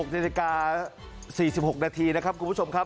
นาฬิกา๔๖นาทีนะครับคุณผู้ชมครับ